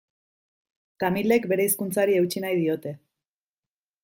Tamilek beren hizkuntzari eutsi nahi diote.